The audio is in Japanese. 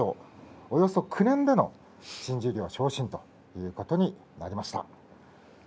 およそ９年での新十両昇進ということになりました。